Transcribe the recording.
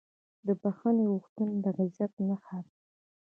د بښنې غوښتنه د عزت نښه ده.